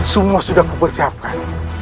semua sudah kupersiapkan